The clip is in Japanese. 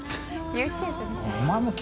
ＹｏｕＴｕｂｅみたい。